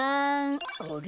あれ？